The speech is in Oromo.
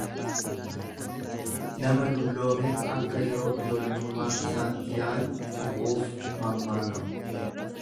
Nama dulloomee akka yeroo ijoollummaa isaatti yaadu tuquuf mammaakama.